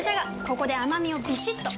ここで甘みをビシッと！